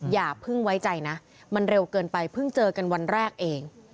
อย่าเพิ่งไว้ใจนะมันเร็วเกินไปเพิ่งเจอกันวันแรกเอง